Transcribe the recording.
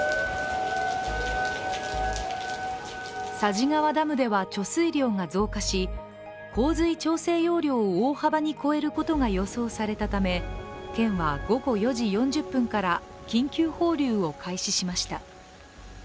佐治川ダムでは貯水量が増加し洪水調整容量を大幅に超えることが予想されたため、県は午後４時４０分から緊急放流を開始しました。